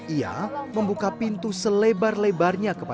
ia membuka pintu selebar lebarnya